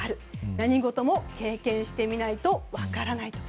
何事も経験してみないと分からないと。